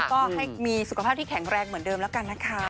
ก็ให้มีสุขภาพที่แข็งแรงเหมือนเดิมแล้วกันนะคะ